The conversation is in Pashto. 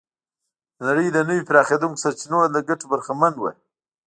د نړۍ د نویو پراخېدونکو سرچینو له ګټو برخمن و.